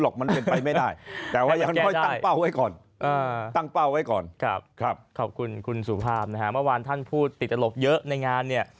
ขอบคุณคุณสุภาพนะฮะเมื่อวานท่านพูดติดตลกเยอะในงานเนี่ย